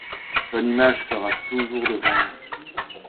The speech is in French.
Ton image sera toujours devant moi.